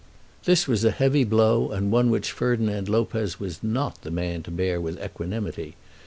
This was a heavy blow, and one which Ferdinand Lopez was not the man to bear with equanimity.